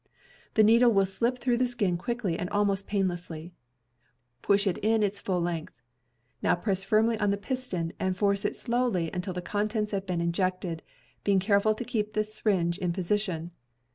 The needle will slip through the skin quickly and almost painlessly. Push it in its full length. Now press firmly on the piston and force it in slowly until the contents have been injected, being careful to keep the syringe in position.